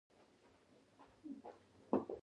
د زبېښونکو بنسټونو او متمرکز حکومت رامنځته کول و